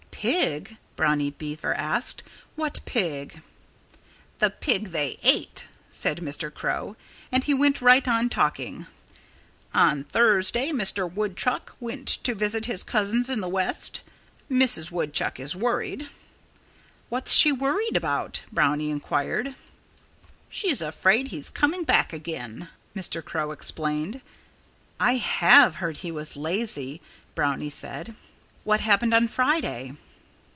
"Pig?" Brownie Beaver asked. "What pig?" "The pig they ate," said Mr. Crow. And he went right on talking. "On Thursday Mr. Woodchuck went to visit his cousins in the West. Mrs. Woodchuck is worried." "What's she worried about?" Brownie inquired. "She's afraid he's coming back again," Mr. Crow explained. "I have heard he was lazy," Brownie said. "What happened on Friday?"